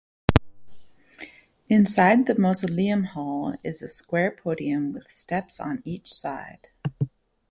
Inside the mausoleum hall, is a square podium with steps on each side.